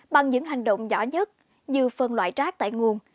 bằng những hành động nhỏ nhất như phân loại rác tại nguồn